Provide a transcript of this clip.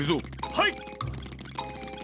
はい！